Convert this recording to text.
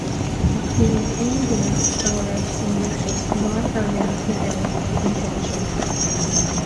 Ach ní raibh aon duine dá raibh sa nGluaiseacht nár chuir mé aithne air ag an tráth sin.